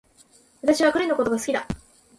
私は彼のことが好きだ